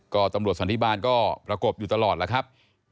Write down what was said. ก็ตำรวจสันติบาลก็ประกบอยู่ตลอดแล้วครับ